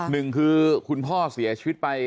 หนึ่งคือคุณพ่อเสียชีวิตไป